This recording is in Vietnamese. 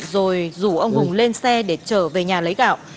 rồi rủ ông hùng lên xe để trở về nhà lấy gạo